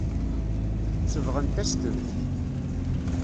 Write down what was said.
Sebɣent-as-tent.